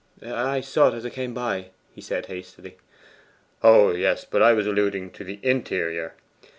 'I saw it as I came by,' he said hastily. 'Oh yes; but I was alluding to the interior.